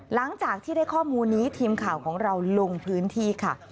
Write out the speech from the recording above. หลังจากที่ได้ข้อมูลนี้ทีมข่าวของเราลงพื้นที่ค่ะ